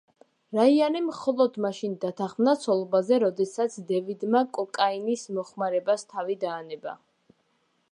რაიანი მხოლოდ მაშინ დათანხმდა ცოლობაზე, როდესაც დევიდმა კოკაინის მოხმარებას თავი დაანება.